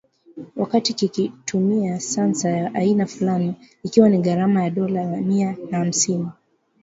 wakati kikitumia sensa ya aina fulani, ikiwa na gharama ya dola mia na hamsini